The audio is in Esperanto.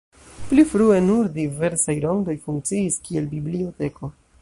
Pli frue nur diversaj rondoj funkciis, kiel biblioteko.